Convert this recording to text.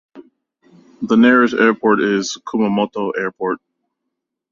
The nearest airport is Kumamoto Airport.